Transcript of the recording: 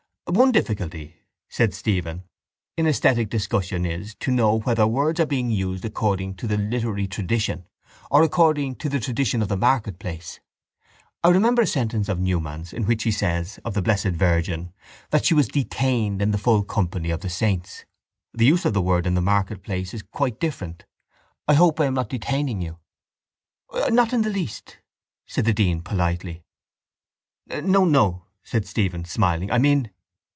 —One difficulty, said Stephen, in esthetic discussion is to know whether words are being used according to the literary tradition or according to the tradition of the marketplace. I remember a sentence of Newman's in which he says of the Blessed Virgin that she was detained in the full company of the saints. The use of the word in the marketplace is quite different. I hope I am not detaining you. —Not in the least, said the dean politely. —No, no, said Stephen, smiling, I mean...